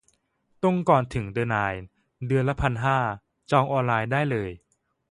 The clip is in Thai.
ตรงก่อนถึงเดอะไนน์ เดือนละพันห้า จองออนไลน์ได้เลย